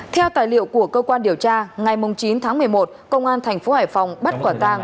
theo tài liệu của cơ quan điều tra ngày chín tháng một mươi một công an thành phố hải phòng bắt quả tàng